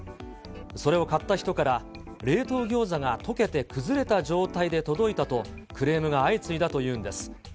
それを買った人から、冷凍ギョーザがとけて崩れた状態で届いたとクレームが相次いだというんです。